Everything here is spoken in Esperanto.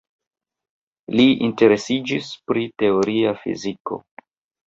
Li interesiĝis pri teoria fiziko.